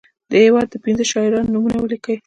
د هیواد د پنځو شاعرانو نومونه ولیکي.